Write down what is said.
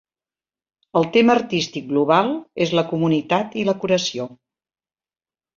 El tema artístic global és la comunitat i la curació.